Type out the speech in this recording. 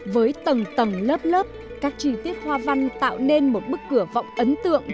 với tầng tầng lớp lớp các chi tiết hoa văn tạo nên một bức cửa vọng ấn tượng